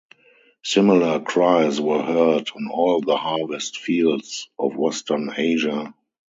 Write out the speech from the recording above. Similar cries were heard on all the harvest-fields of Western Asia.